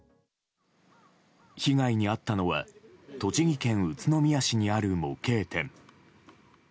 被害に遭ったのは栃木県宇都宮市にある模型店。